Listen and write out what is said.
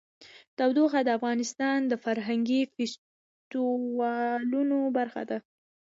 تودوخه د افغانستان د فرهنګي فستیوالونو برخه ده.